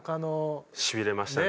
しびれましたね。